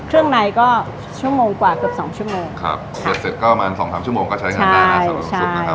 เครื่องในก็ชั่วโมงกว่าเกือบสองชั่วโมงครับเสร็จเสร็จก็ประมาณสองทั้งชั่วโมงก็ใช้เงินได้นะ